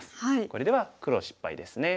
これでは黒失敗ですね。